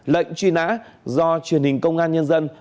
lệnh truy nã do truyền hình công an nhân dân